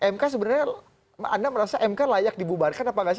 mk sebenarnya anda merasa mk layak dibubarkan apa nggak sih